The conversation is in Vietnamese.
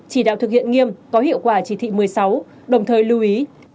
chỉ đạo thực hiện nghiêm có hiệu quả chỉ thị một mươi sáu đồng thời lưu ý